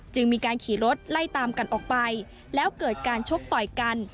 มีการขี่รถไล่ตามกันออกไปแล้วเกิดการชกต่อยกัน